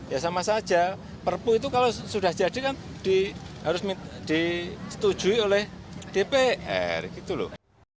ya sama saja perpu itu kalau sudah jadi kan harus disetujui oleh dpr gitu loh